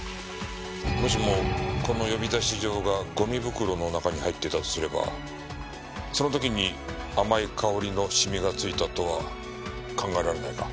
もしもこの呼び出し状がゴミ袋の中に入っていたとすればその時に甘い香りのシミがついたとは考えられないか？